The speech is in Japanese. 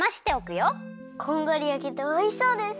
こんがりやけておいしそうです。